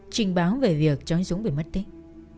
trình báo về việc cháu dũng bị mất tích